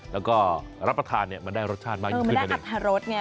แล้วก็รับประทานมันได้รสชาติมากยิ่งขึ้นกันเองครับเออมันได้อัตรรสไง